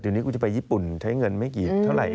เดี๋ยวนี้กูจะไปญี่ปุ่นใช้เงินไม่กี่เท่าไหร่